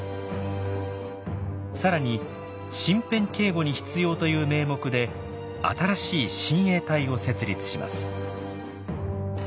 更に身辺警護に必要という名目で新しい親衛隊を設立します。